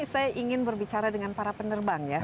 saya ingin berbicara dengan para penerbang ya